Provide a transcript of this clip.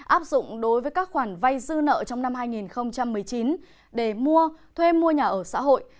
áp dụng đối với các khoản vay dư nợ trong năm hai nghìn một mươi chín để mua thuê mua nhà ở xã hội